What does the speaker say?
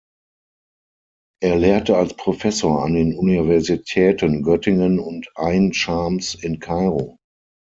Er lehrte als Professor an den Universitäten Göttingen und Ain-Schams in Kairo.